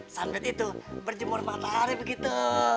sandet itu berjemur matahari begitu